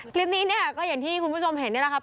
คลิปนี้เนี่ยก็อย่างที่คุณผู้ชมเห็นนี่แหละครับ